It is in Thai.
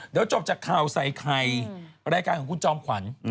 เดี๋ยวจบจากข่าวใส่ไข่รายการของคุณจอมขวัญ